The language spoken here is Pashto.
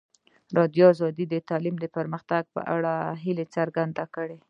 ازادي راډیو د تعلیم د پرمختګ په اړه هیله څرګنده کړې.